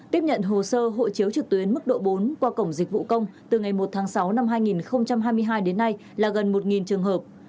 tiếp nhận hồ sơ hộ chiếu trực tuyến mức độ bốn qua cổng dịch vụ công từ ngày một tháng sáu năm hai nghìn hai mươi hai đến nay là gần một trường hợp